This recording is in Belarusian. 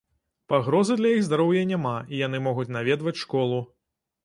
Пагрозы для іх здароўя няма і яны могуць наведваць школу.